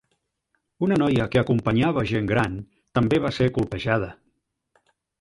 Una noia que acompanyava gent gran també va ser colpejada.